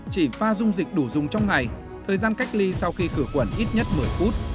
chỉ pha dung dịch đủ dùng trong ngày thời gian cách ly sau khi khử khuẩn ít nhất một mươi phút